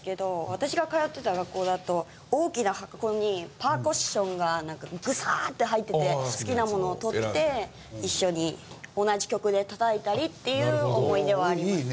私が通ってた学校だと大きな箱にパーカッションがグシャーッて入ってて好きなものを取って一緒に同じ曲で叩いたりっていう思い出はあります。